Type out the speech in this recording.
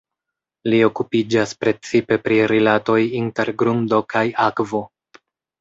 Li okupiĝas precipe pri rilatoj inter grundo kaj akvo.